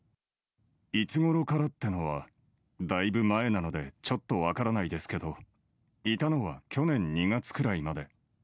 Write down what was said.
いつごろからってのはだいぶ前なのでちょっと分からないですけど、いたのは去年２月くらいまで。